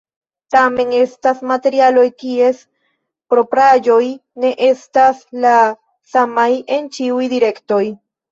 Tamen, estas materialoj kies propraĵoj ne estas la samaj en ĉiuj direktoj.